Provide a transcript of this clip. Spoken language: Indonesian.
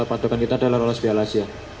padokan kita adalah lolos piala asia